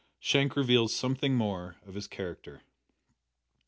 SHANK REVEALS SOMETHING MORE OF HIS CHARACTER.